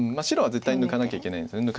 白は絶対抜かなきゃいけないんです。